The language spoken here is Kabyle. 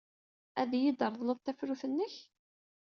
Ad iyi-d-treḍleḍ tafrut-nnek?